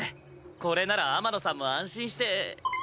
これなら天野さんも安心して。